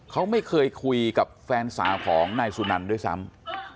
เขาไม่เคยคุยกับแฟนสาวของนายสุนันด้วยซ้ำ